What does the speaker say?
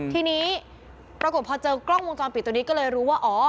ทีนี้ปรากฏพอเจอกล้องวงจรปิดตัวนี้ก็เลยรู้ว่าอ๋อ